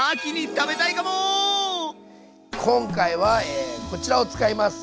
今回はこちらを使います。